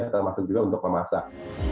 termasuk juga untuk memasak